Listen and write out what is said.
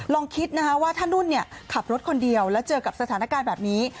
ลองคิดนะคะว่าถ้านุ่นขับรถคนเดียวแล้วเจอกับสถานการณ์แบบนี้